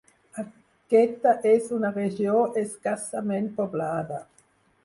Aquesta és una regió escassament poblada.